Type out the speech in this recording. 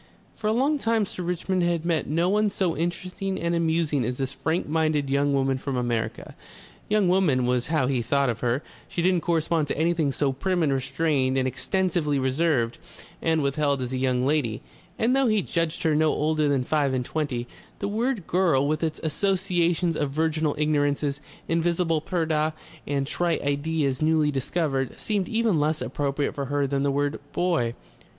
For a long time Sir Richmond had met no one so interesting and amusing as this frank minded young woman from America. "Young woman" was how he thought of her; she didn't correspond to anything so prim and restrained and extensively reserved and withheld as a "young lady "; and though he judged her no older than five and twenty, the word "girl" with its associations of virginal ignorances, invisible purdah, and trite ideas newly discovered, seemed even less appropriate for her than the word "boy."